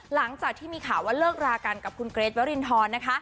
หลังจากที่มีข่าวเลิกลากันกับคุณเกร็ดเวอรินทร